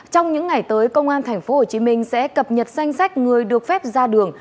trong những ngày tới công an tp hcm sẽ cập nhật danh sách người được phép ra đường